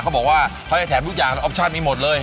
เขาบอกว่าเขาจะแถมทุกอย่างออกชาติมีหมดเลย